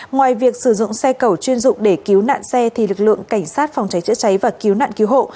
ngoài việc sử dụng xe cầu chuyên dụng để cứu nạn xe thì lực lượng cảnh sát phòng cháy chữa cháy và cứu nạn cứu hộ